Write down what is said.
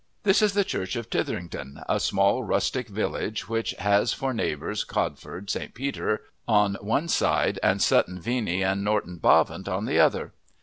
This is the church of Tytherington, a small, rustic village, which has for neighbours Codford St. Peter one one side and Sutton Veny and Norton Bavant on the other.